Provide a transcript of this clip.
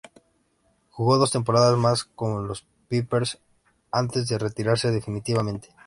Jugó dos temporadas más con los Pipers antes de retirarse definitivamente.